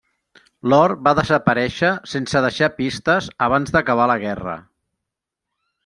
L'or va desaparèixer sense deixar pistes abans d'acabar la guerra.